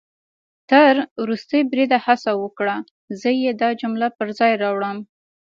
تر ورستي بریده هڅه وکړه، زه يې دا جمله پر ځای راوړم